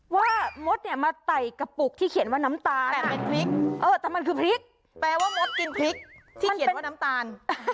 มดเนี่ยมาไต่กระปุกที่เขียนว่าน้ำตาลแต่เป็นพริกแต่มันคือพริกแปลว่ามดกินพริกที่เขียนว่าน้ำตาล